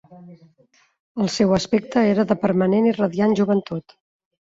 El seu aspecte era de permanent i radiant joventut.